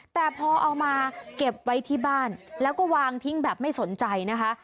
แต่พอเอามาเก็บไว้ที่บ้านแล้วก็วางทิ้งแบบไม่สนใจนะคะ